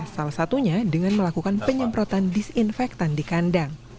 salah satunya dengan melakukan penyemprotan disinfektan di kandang